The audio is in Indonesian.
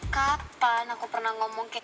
kapan aku pernah ngomong kayak